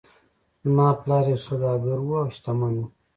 زما پلار یو سوداګر و او شتمن و.